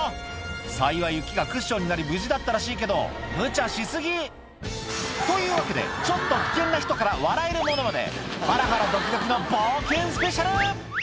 幸い雪がクッションになり無事だったらしいけどむちゃし過ぎ！というわけでちょっと危険な人から笑えるものまでハラハラドキドキの冒険スペシャル！